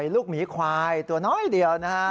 หมีควายตัวน้อยเดียวนะฮะ